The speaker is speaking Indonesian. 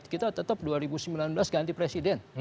kita tetap dua ribu sembilan belas ganti presiden